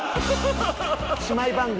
姉妹番組。